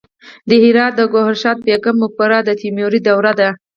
د هرات د ګوهردش بیګم مقبره د تیموري دورې ده